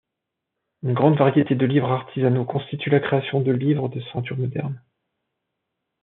Une grande variété de livres artisanaux constitue la création de livres de ceinture modernes.